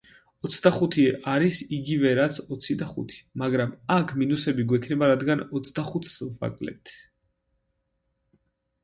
ოცდახუთი არის იგივე რაც ოცი და ხუთი, მაგრამ აქ მინუსები გვექნება რადგან ოცდახუთს ვაკლებთ.